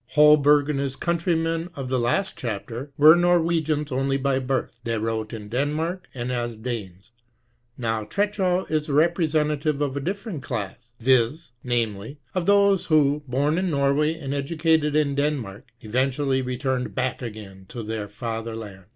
Holberg, and his countrymen of the last chapter, were Norwegians only by birth. They wrote in Denmark, and as Danes. Now Treschow is the representative of a different class, viz. of those who, bom in Norway, and educated in Denmark, eventually returned beck again to their father land.